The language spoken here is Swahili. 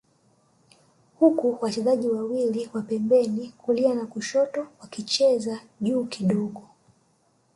huku wachezaji wawili wa pembeni kulia na kushoto wakicheza juu kidogo